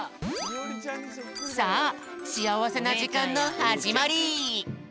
さあしあわせなじかんのはじまり。